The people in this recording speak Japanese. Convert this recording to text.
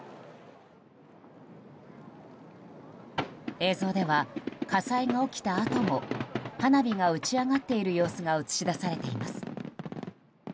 映像では火災が起きたあとも花火が打ち上がっている様子が映し出されています。